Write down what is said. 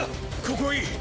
ここはいい！